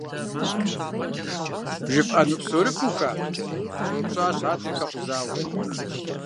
— ЖыфӀэну псори фуха? — щӀэупщӀащ адэр, хэкъузауэ.